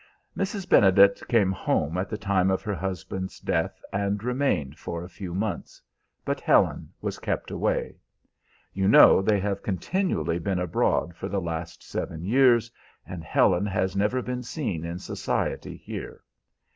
"Mrs. Benedet came home at the time of her husband's death and remained for a few months, but Helen was kept away. You know they have continually been abroad for the last seven years, and Helen has never been seen in society here.